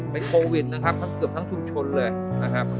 เป็นโควิดนะครับทั้งเกือบทั้งชุมชนเลยนะครับ